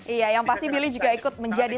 iya yang pasti billy juga ikut menjadi